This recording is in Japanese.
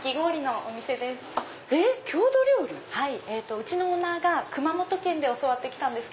うちのオーナーが熊本県で教わって来たんです。